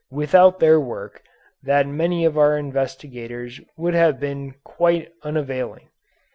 Without their work that of our investigators would have been quite unavailing.